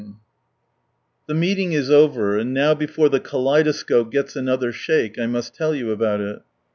Its 22 From Sunrise Land The meeting is over, and now before the kaleidoscope gets another shake, I must tell you about it.